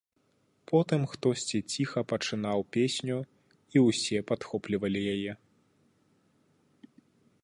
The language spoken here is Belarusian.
Потым хтосьці ціха пачынаў песню, і ўсе падхоплівалі яе.